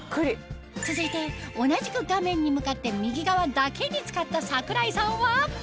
続いて同じく画面に向かって右側だけに使った桜井さんは？